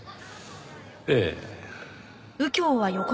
ええ。